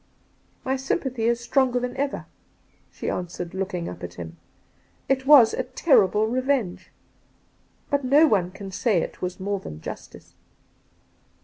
' M y sympathy is stronger than ever,', she ans^wered, looking up at him. ' It was a terrible revenge, but no one can say it was more than justice.'